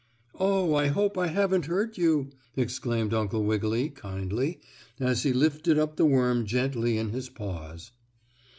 "Oh, I hope I haven't hurt you!" exclaimed Uncle Wiggily, kindly, as he lifted up the worm gently in his paws.